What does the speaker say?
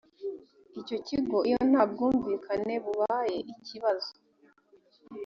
icyo kigo iyo nta bwumvikane bubaye ikibazo